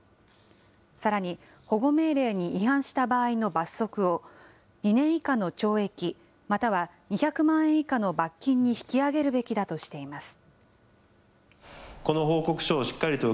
さらに、保護命令に違反した場合の罰則を、２年以下の懲役、または２００万円以下の罰金に引き上げるべきだとしています。